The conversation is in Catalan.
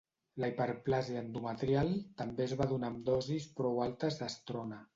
La hiperplàsia endometrial també es va donar amb dosis prou altes d'estrona.